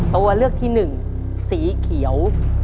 ตัวเลือกที่หนึ่งสีเขียว